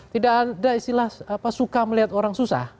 tidak ada istilah suka melihat orang susah